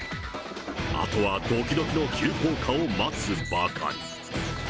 あとはどきどきの急降下を待つばかり。